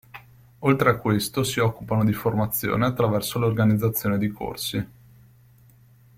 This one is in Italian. Oltre a questo, si occupano di formazione attraverso l'organizzazione di corsi.